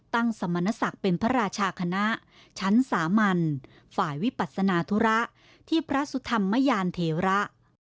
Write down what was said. สมณศักดิ์เป็นพระราชาคณะชั้นสามัญฝ่ายวิปัสนาธุระที่พระสุธรรมยานเทระ